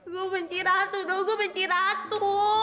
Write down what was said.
gue benci ratu dong gue benci ratu